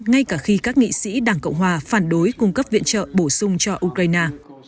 ngay cả khi các nghị sĩ đảng cộng hòa phản đối cung cấp viện trợ bổ sung cho ukraine